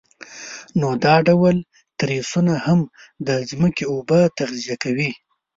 نو دا ډول تریسونه هم د ځمکې اوبه تغذیه کوي.